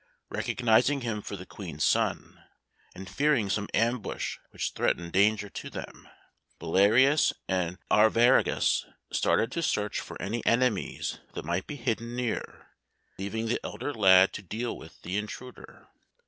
Recognising him for the Queen's son, and fearing some ambush which threatened danger to them, Belarius and Arviragus started to search for any enemies that might be hidden near, leaving the elder lad to deal with the intruder.